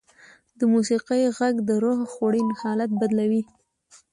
د موسیقۍ ږغ د روح خوړین حالت بدلوي.